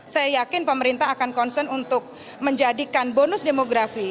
saya yakin pemerintah akan concern untuk menjadikan bonus demografi